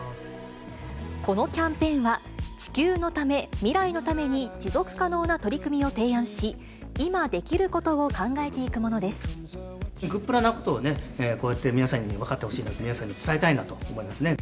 このキャンペーンは、地球のため、未来のために持続可能な取り組みを提案し、今できることを考えてグップラなことをね、こうやって皆さんに分かってほしいなと、皆さんに伝えたいなと思いますね。